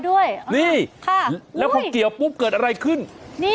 ด้วยนี่ค่ะแล้วพอเกี่ยวปุ๊บเกิดอะไรขึ้นนี่